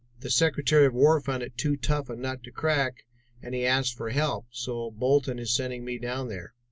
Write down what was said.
The Secretary of War found it too tough a nut to crack and he asked for help, so Bolton is sending me down there.